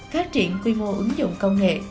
phát triển quy mô ứng dụng công nghệ